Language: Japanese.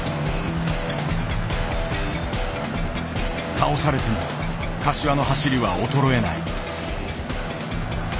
倒されても柏の走りは衰えない。